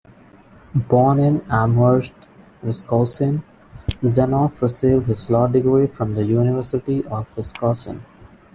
Born in Amherst, Wisconsin, Zenoff received his law degree from the University of Wisconsin.